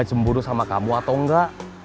dia cemburu sama kamu atau apa